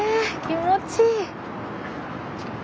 気持ちいい。